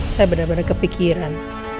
saya benar benar kepikiran